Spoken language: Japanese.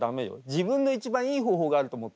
自分の一番いい方法があると思って。